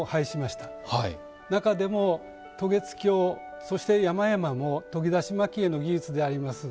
中でも渡月橋そして山々も研ぎ出し蒔絵の技術であります